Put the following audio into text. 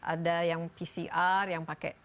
ada yang pcr yang pakai